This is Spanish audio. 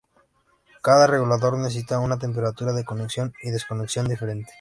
Cada regulador necesita una temperatura de conexión y desconexión diferente.